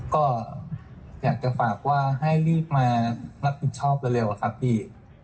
ก็อยากจะฝากว่าให้รีบมารับผิดชอบเร็วอะครับพี่